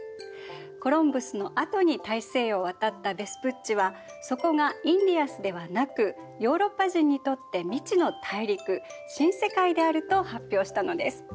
コロンブスのあとに大西洋を渡ったヴェスプッチはそこがインディアスではなくヨーロッパ人にとって未知の大陸新世界であると発表したのです。